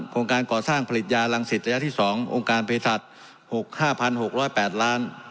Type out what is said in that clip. โครงการก่อสร้างผลิตยาลังสิทธิ์ระยะที่สองโครงการปริศัทธิ์๕๖๐๘ล้าน